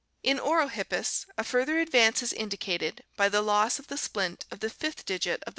In Orohippus (Fig. 215) a further advance is indicated by the loss of the splint of the fifth digit of the